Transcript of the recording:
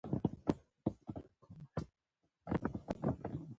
دوی میډیا د جنګ برخه ګرځولې.